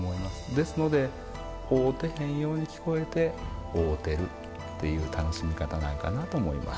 ですので合うてへんように聞こえて合うてるっていう楽しみ方なんかなと思います。